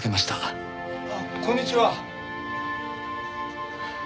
あっこんにちは。